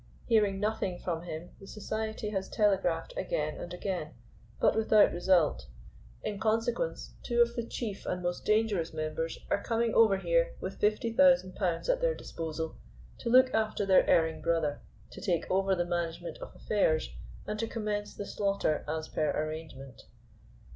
Hearing nothing from him the Society has telegraphed again and again, but without result. In consequence, two of the chief and most dangerous members are coming over here with fifty thousand pounds at their disposal, to look after their erring brother, to take over the management of affairs, and to commence the slaughter as per arrangement.